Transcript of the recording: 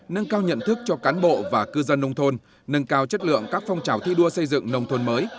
nâng cao nhận thức cho cán bộ và cư dân nông thôn nâng cao chất lượng các phong trào thi đua xây dựng nông thôn mới